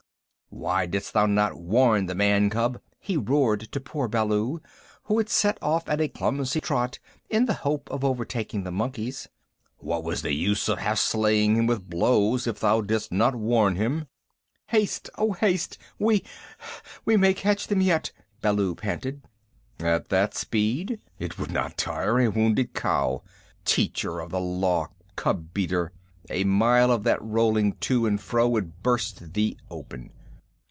"Why didst thou not warn the man cub?" he roared to poor Baloo, who had set off at a clumsy trot in the hope of overtaking the monkeys. "What was the use of half slaying him with blows if thou didst not warn him?" "Haste! O haste! We we may catch them yet!" Baloo panted. "At that speed! It would not tire a wounded cow. Teacher of the Law cub beater a mile of that rolling to and fro would burst thee open.